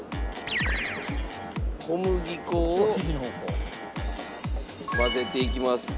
小麦粉を混ぜていきます。